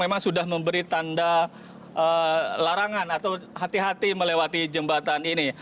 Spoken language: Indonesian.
memang sudah memberi tanda larangan atau hati hati melewati jembatan ini